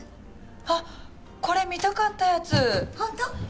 あッこれ見たかったやつホント？